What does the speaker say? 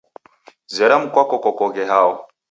Zera mkwako kokoghe hao